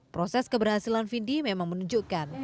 proses keberhasilan vindi memang menunjukkan